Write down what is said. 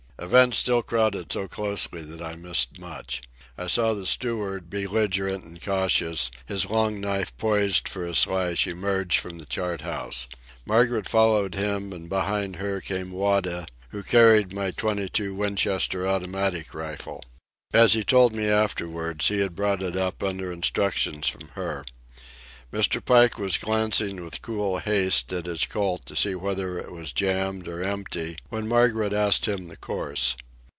Events still crowded so closely that I missed much. I saw the steward, belligerent and cautious, his long knife poised for a slash, emerge from the chart house. Margaret followed him, and behind her came Wada, who carried my .22 Winchester automatic rifle. As he told me afterwards, he had brought it up under instructions from her. Mr. Pike was glancing with cool haste at his Colt to see whether it was jammed or empty, when Margaret asked him the course.